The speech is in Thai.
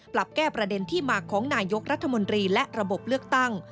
ปรับแก้ประเด็นที่มาของนายกรัฐมนตรีและระบบเลือกตั้ง